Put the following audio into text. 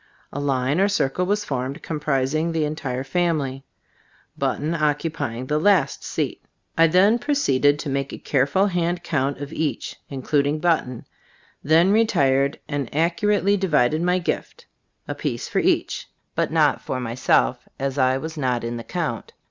A line or circle was formed, comprising the entire family, Button occupying the last seat. I then pro ceeded to make a careful hand count of each, including Button; then re tired and accurately divided my gift, a piece for each, but not myself, as I was not in the count.